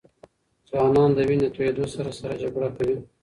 ځوانان د وینې د تویېدو سره سره جګړه کوي.